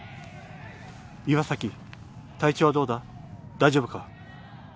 岩崎、体調はどうだ、大丈夫か？